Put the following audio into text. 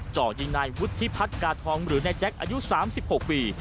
จ่อยิงนายวุฒิพัฒน์กาทองหรือนายแจ๊คอายุ๓๖ปี